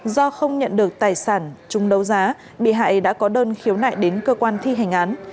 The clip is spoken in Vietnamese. do không nhận được tài sản chung đấu giá bị hại đã có đơn khiếu nại đến cơ quan thi hành án